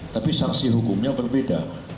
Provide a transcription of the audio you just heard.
tapi saksi hukumnya berbeda